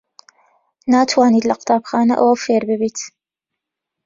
ناتوانیت لە قوتابخانە ئەوە فێر ببیت.